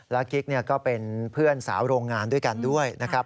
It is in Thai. กิ๊กก็เป็นเพื่อนสาวโรงงานด้วยกันด้วยนะครับ